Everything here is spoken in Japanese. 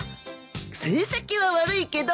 成績は悪いけど。